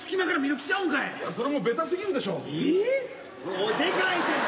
おいでかいって。